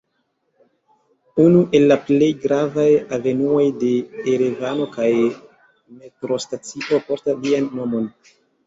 Unu el la plej gravaj avenuoj de Erevano kaj metrostacio portas lian nomon.